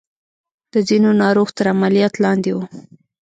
د ځينو ناروغ تر عملياتو لاندې وو.